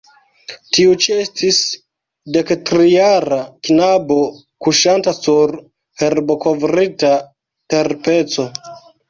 Tiu ĉi estis dektrijara knabo, kuŝanta sur herbokovrita terpeco.